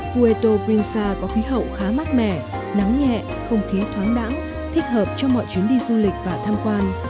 puerto princesa có khí hậu khá mát mẻ nắng nhẹ không khí thoáng đãng thích hợp cho mọi chuyến đi du lịch và tham quan